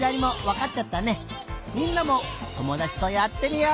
みんなもともだちとやってみよ！